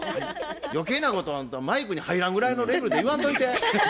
余計なことをあんたマイクに入らんぐらいのレベルで言わんといて。